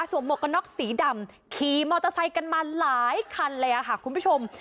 หมวกกันน็อกสีดำขี่มอเตอร์ไซค์กันมาหลายคันเลยค่ะคุณผู้ชม